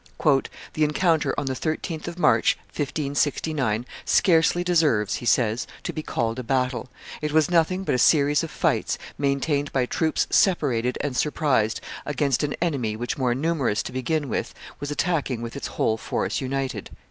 "The encounter on the 13th of March, 1569, scarcely deserves," he says, "to be called a battle; it was nothing but a series of fights, maintained by troops separated and surprised, against an enemy which, more numerous to begin with, was attacking with its whole force united.".